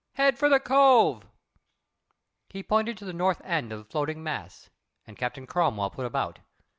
Head for the cove." He pointed to the north end of the floating mass, and Captain Cromwell put about.